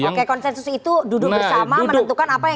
oke konsensus itu duduk bersama menentukan apa yang ingin yang mendemain